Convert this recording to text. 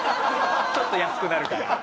ちょっと安くなるから。